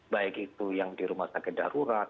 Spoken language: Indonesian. baik itu yang di rumah sakit darurat